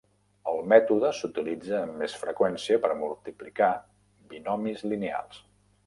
El mètode s'utilitza amb més freqüència per multiplicar binomis lineals.